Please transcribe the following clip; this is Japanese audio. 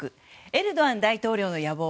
エルドアン大統領の野望。